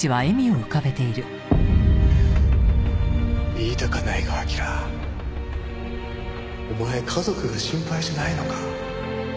言いたかないが彬お前家族が心配じゃないのか？